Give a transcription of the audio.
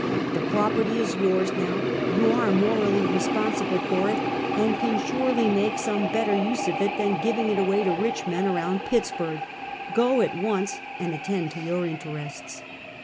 The property is yours now. You are morally responsible for it, and can surely make some better use of it than giving it away to rich men around Pittsburg. Go at once and attend to your interests."